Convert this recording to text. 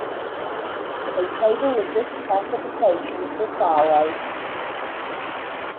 A table of this classification for follows.